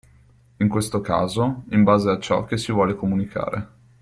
In questo caso in base a ciò che si vuole comunicare.